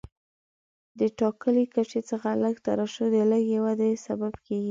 له ټاکلي کچې څخه لږه ترشح د لږې ودې سبب کېږي.